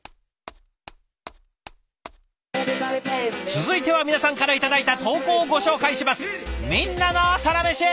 続いては皆さんから頂いた投稿をご紹介します。